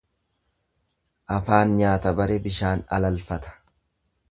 Afaan nyaata bare bishaan alalfata.